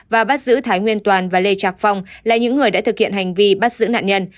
và bắt giữ thái nguyên toàn và lê trạc phong là những người đã thực hiện hành vi bắt giữ nạn nhân